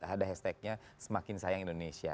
ada hashtagnya semakin sayang indonesia